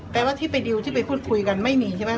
แปลว่าที่ไปดิวที่ไปพูดคุยกันไม่มีใช่ไหม